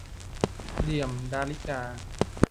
เหลี่ยมดาริกา